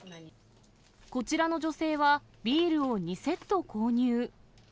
こちらの女性は、ビールを２セット購入。